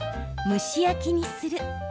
蒸し焼きにする。